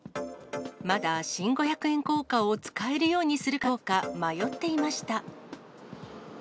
まだ新五百円硬貨を使えるようにするかどうか、迷っていました。